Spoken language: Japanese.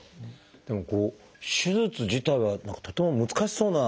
でも手術自体は何かとても難しそうな。